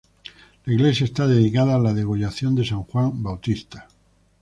La iglesia está dedicada a La Degollación de San Juan Bautista.